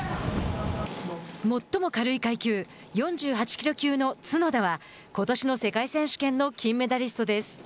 最も軽い階級４８キロ級の角田はことしの世界選手権の金メダリストです。